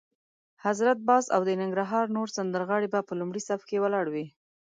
حضرت باز او د ننګرهار نور سندرغاړي به په لومړي صف کې ولاړ وي.